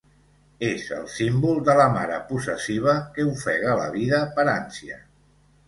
És el símbol de la mare possessiva que ofega la vida per ànsia.